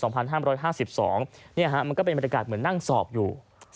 มันก็เป็นบรรยากาศเหมือนนั่งสอบอยู่